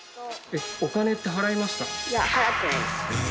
お金って払いました？